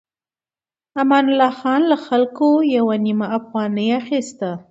امان الله خان له خلکو يوه نيمه افغانۍ اخيسته.